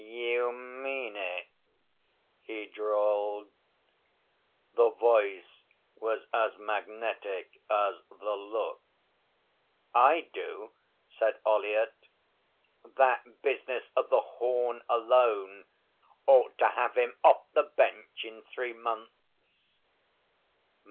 'You mean it?' he drawled; the voice was as magnetic as the look. 'I do,' said Ollyett. 'That business of the horn alone ought to have him off the Bench in three months.'